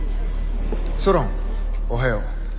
ソロンおはよう。